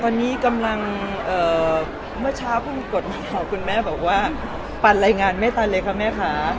ตอนนี้กำลังเมื่อเช้าเพิ่งมีกฎหมายคุณแม่บอกว่าปันรายงานไม่ทันเลยค่ะแม่ค่ะ